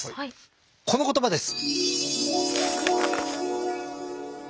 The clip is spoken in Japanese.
この言葉です！